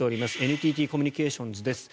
ＮＴＴコミュニケーションズです。